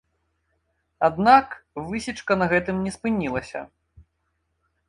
Аднак высечка на гэтым не спынілася.